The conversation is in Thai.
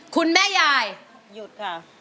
คุณยายหยุดค่ะ